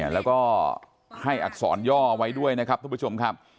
แล้วก็ให้อักษรย่อไว้ด้วยนะครับทุกผู้ชมครับ